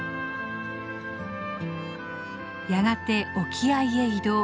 やがて沖合へ移動。